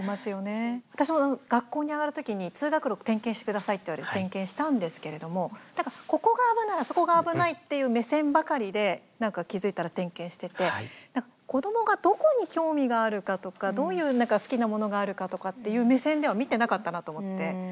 私も学校に上がるときに通学路点検してくださいと言われて点検したんですけれどもここが危ない、あそこが危ないという目線ばかりで気付いたら点検してて子どもがどこに興味があるかとかどういう好きなものがあるかっていう目線では見てなかったなと思って。